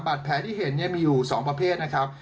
บาดแผลที่เห็นเนี่ยมีอยู่๒ประเภทนะครับ